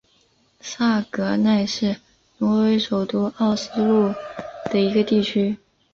萨格奈是挪威首都奥斯陆的一个地区。